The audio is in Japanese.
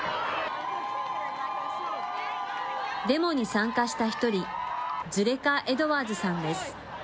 デモに参加した１人、ズレカ・エドワーズさんです。